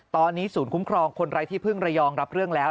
ตอนนี้ศูนย์คุ้มครองคนไร้ที่พึ่งระยองรับเรื่องแล้ว